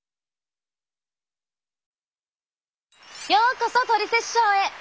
ようこそ「トリセツショー」へ。